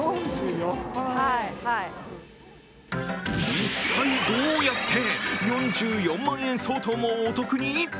一体どうやって４４万円相当もお得に？